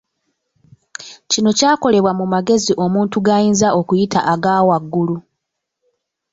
Kino kyakolebwa mu magezi omuntu gayinza okuyita aga waggulu.